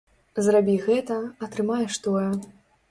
Зрабі гэта, атрымаеш тое.